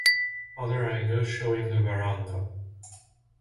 Other angle showing the veranda.